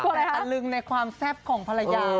แต่ตะลึงในความแซ่บของภรรยา